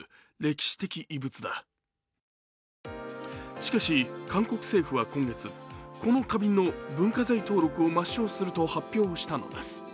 しかし、韓国政府は今月この花瓶の文化財登録を抹消すると発表したのです。